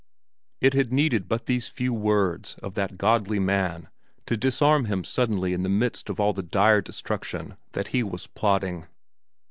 It had needed but these few words of that godly man to disarm him suddenly in the midst of all the dire destruction that he was plotting.